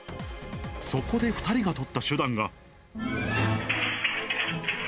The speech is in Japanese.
そこで２人が取った手段が。